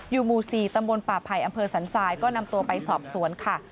หมู่๔ตำบลป่าไผ่อำเภอสันทรายก็นำตัวไปสอบสวนค่ะ